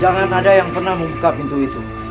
jangan ada yang pernah membuka pintu itu